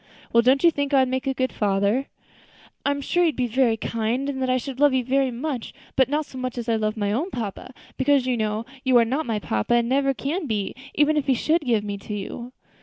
"Well, don't you think I would make a good father?" "I am sure you would be very kind, and that I should love you very much; but not so much as I love my own papa; because, you know, you are not my papa, and never can be, even if he should give me to you."